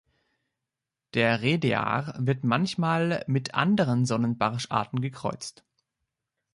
Der Redear wird manchmal mit anderen Sonnenbarsch-Arten gekreuzt.